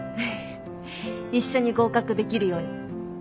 フフ一緒に合格できるように。